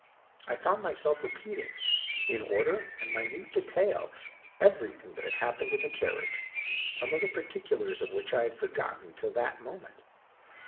I found myself repeating, in order and minute detail, everything that had happened in the carriage, some of the particulars of which I had forgotten till that moment.